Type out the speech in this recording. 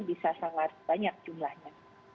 bisa sangat banyak jumlahnya